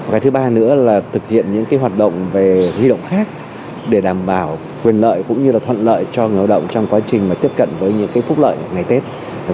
cái thứ ba nữa là thực hiện những hoạt động về huy động khác để đảm bảo quyền lợi cũng như là thuận lợi cho người lao động trong quá trình tiếp cận với những phúc lợi ngày tết